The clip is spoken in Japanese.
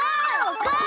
ゴー！